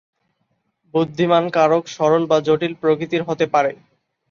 বুদ্ধিমান কারক সরল বা জটিল প্রকৃতির হতে পারে।